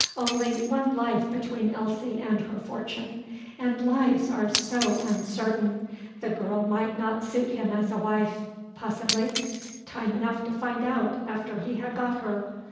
Only one life between Elsie and her fortune, and lives are so uncertain! The girl might not suit him as a wife. Possibly. Time enough to find out after he had got her.